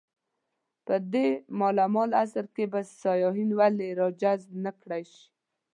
په دې مالامال عصر کې به سیاحین ولې راجذب نه کړای شي.